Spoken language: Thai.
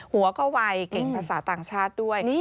หัวก็วัยเก่งภาษาต่างชาติด้วย